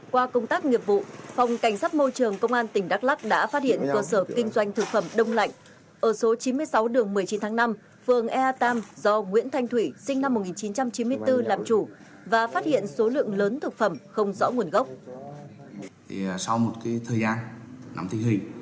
qua công tác nghiệp vụ phòng cảnh sát môi trường công an tỉnh đắk lắc đã phát hiện cơ sở kinh doanh thực phẩm đông lạnh